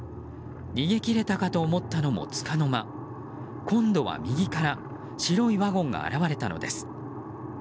逃げ切れたかと思ったのもつかの間、今度は右から白いワゴンが現れたのです。